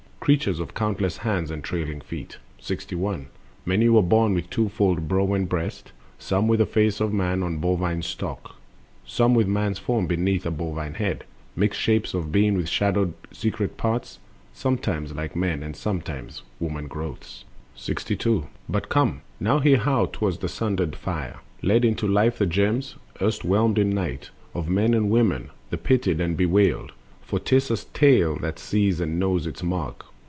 Creatures of countless hands and trailing feet. 61. Many were born with twofold brow and breast, Some with the face of man on bovine stock, Some with man's form beneath a bovine head, Mixed shapes of being with shadowed secret parts, Sometimes like men, and sometimes woman growths. 62. But come! now hear how 'twas the sundered Fire Led into life the germs, erst whelmed in night, Of men and women, the pitied and bewailed; For 'tis a tale that sees and knows its mark.